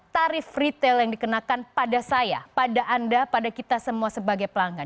tarif retail yang dikenakan pada saya pada anda pada kita semua sebagai pelanggan